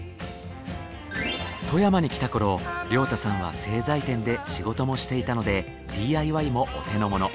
富山に来た頃亮太さんは製材店で仕事もしていたのでＤＩＹもお手のもの。